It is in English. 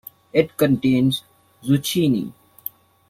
It contains Zucchini.